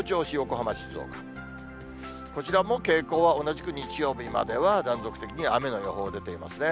こちらも傾向は同じく、日曜日までは断続的に雨の予報、出てますね。